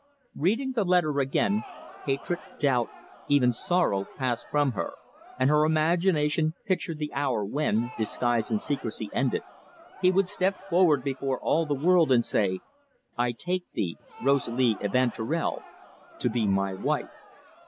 Reading the letter again, hatred, doubt, even sorrow, passed from her, and her imagination pictured the hour when, disguise and secrecy ended, he would step forward before all the world and say: "I take Rosalie Evanturel to be my wife."